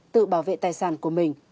tự bảo vệ tài sản của mình